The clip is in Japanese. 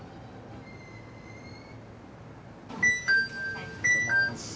ありがとうございます。